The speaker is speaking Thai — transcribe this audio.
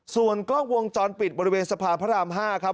ส่วนกล้องวงจรปิดบริเวณสะพานพระราม๕ครับ